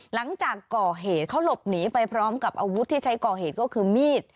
หลังจากก่อเหตุเขาหลบหนีไปพร้อมกับอาวุธที่ใช้ก่อเหตุก็คือมีด